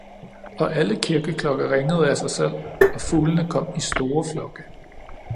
Og alle kirkeklokker ringede af sig selv og fuglene kom i store flokke.